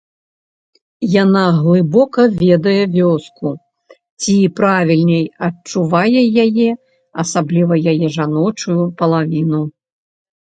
Яна глыбока ведае вёску ці, правільней, адчувае яе, асабліва яе жаночую палавіну.